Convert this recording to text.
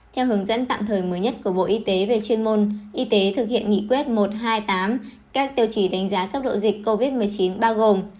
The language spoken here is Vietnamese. theo hướng dẫn tạm thời mới nhất của bộ y tế về chuyên môn y tế thực hiện nghị quyết một trăm hai mươi tám các tiêu chí đánh giá cấp độ dịch covid một mươi chín bao gồm